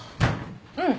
うん。